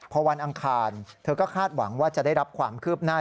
พอวันอังคารเธอก็คาดหวังว่าจะได้รับความคืบหน้า